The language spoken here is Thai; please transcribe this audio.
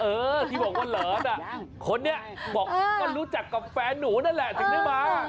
เออที่บอกว่าหลอนคนนี้บอกก็รู้จักกับแฟนหนูนั่นแหละถึงได้มา